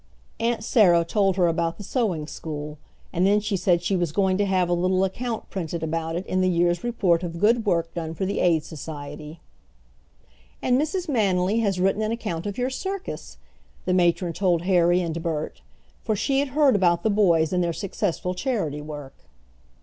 Aunt Sarah told her about the sewing school, and then she said she was going to have a little account printed about it in the year's report of good work done for the Aid Society. "And Mrs. Manily has written an account of your circus," the matron told Harry and Bert, for she had heard about the boys and their successful charity work.